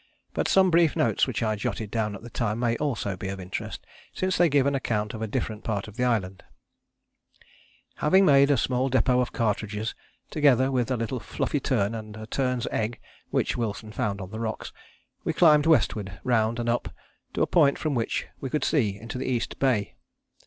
But some brief notes which I jotted down at the time may also be of interest, since they give an account of a different part of the island: "Having made a small depôt of cartridges, together with a little fluffy tern and a tern's egg, which Wilson found on the rocks, we climbed westward, round and up, to a point from which we could see into the East Bay.